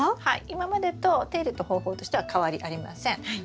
はい今までとお手入れの方法としては変わりありません。